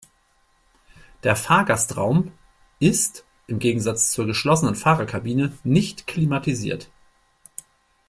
Der Fahrgastraum ist, im Gegensatz zur geschlossenen Fahrerkabine, nicht klimatisiert.